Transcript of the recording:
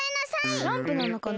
スランプなのかな。